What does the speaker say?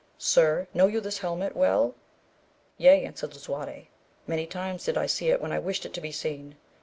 Sir, know you this helmet well ? Yea, answered Lisuarte, many times did I see it when I wished it to be seen.